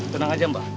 tenang aja mbak